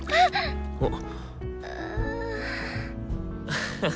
アハハ。